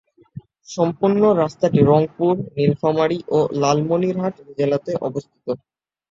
সম্পূর্ণ রাস্তাটি রংপুর, নীলফামারী ও লালমনিরহাট জেলাতে অবস্থিত।